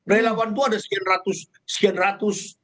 relawan itu ada sekian ratus